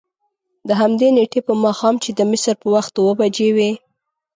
دهمدې نېټې په ماښام چې د مصر په وخت اوه بجې وې.